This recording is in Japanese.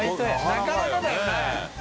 なかなかだよね。